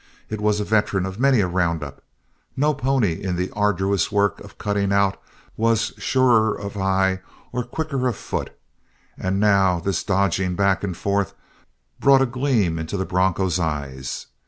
It was a veteran of many a round up. No pony in the arduous work of cutting out was surer of eye or quicker of foot, and now this dodging back and forth brought a gleam into the bronco's eyes.